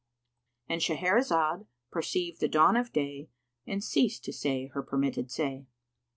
"—And Shahrazad perceived the dawn of day and ceased to say her permitted say.